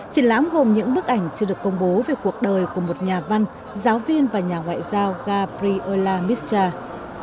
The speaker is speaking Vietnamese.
triển lãm gồm những bức ảnh chưa được công bố về cuộc đời của một nhà văn giáo viên và nhà ngoại giao gabriella mischa